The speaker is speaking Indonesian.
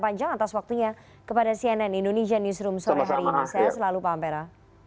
tractor tractor kayak kejadian yang kayaknya